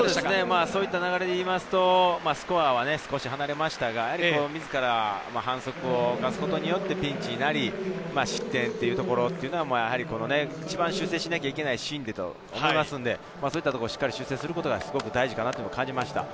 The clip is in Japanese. そういった流れで言いますと、スコアは少し離れましたが、自ら反則を犯すことによってピンチなり、失点というところというのは、一番修正しなきゃいけないシーンだと思いますので、そういったところをしっかり修正することが大事だなと感じました。